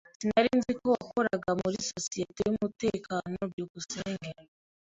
Sinari nzi ko wakoraga muri societe yumutekano. byukusenge